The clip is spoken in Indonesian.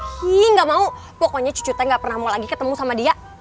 hingga mau pokoknya cucu nggak pernah mau lagi ketemu sama dia